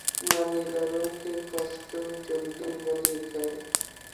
معنی لرونکي پښتو جملې ولیکئ!